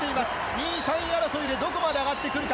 ２位、３位争いで、どこまで上がってくるか。